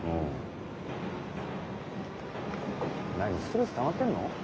何ストレスたまってんの？